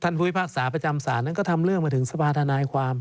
ท่านภูยภาคสาประจำสารนั้นก็ทำเรื่องมาถึงสภาทนายความ